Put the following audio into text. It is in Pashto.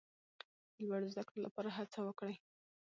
د لوړو زده کړو لپاره هڅه وکړئ.